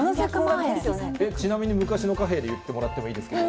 ちなみに昔の貨幣で言ってもらってもいいですけど。